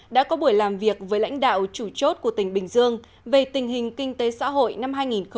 đã có buổi làm việc với lãnh đạo chủ chốt của tỉnh bình dương về tình hình kinh tế xã hội năm hai nghìn một mươi tám